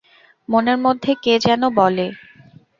মনের মধ্যে কে যেন বলে।